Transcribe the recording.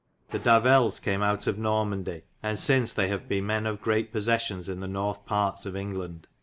The Davelles cam owte of Normandie, and sins they have be men of greate possessions yn the north partes of England.